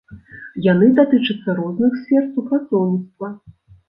Яны датычацца розных сфер супрацоўніцтва.